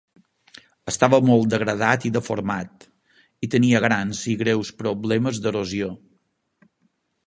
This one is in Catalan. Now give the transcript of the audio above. Estava molt degradat i deformat, i tenia grans i greus problemes d'erosió.